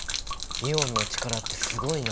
イオンの力ってすごいな！